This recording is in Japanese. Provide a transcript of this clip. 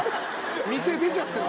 店出ちゃってる。